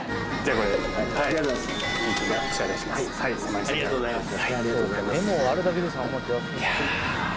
ありがとうございます。